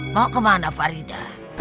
mau kemana faridah